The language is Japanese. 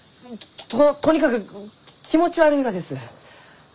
ととにかく気持ち悪いがです！